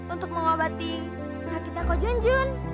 untuk mengobati sakitnya kau junjun